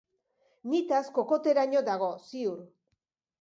Nitaz kokoteraino dago, ziur.